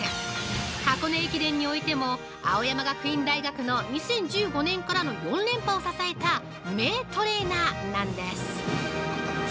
箱根駅伝においても青山学院大学の２０１５年からの４連覇を支えた名トレーナーなんです！